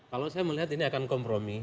kalau saya melihat ini akan kompromi